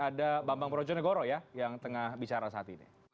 ada bang projonegoro ya yang tengah bicara saat ini